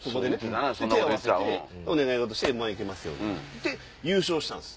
手合わせてお願い事して「『Ｍ−１』行けますように」。で優勝したんです